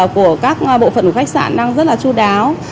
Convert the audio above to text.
của các bộ phận của khách sạn đang rất là chú đáo